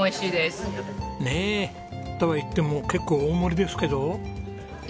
ねえ。とは言っても結構大盛りですけど？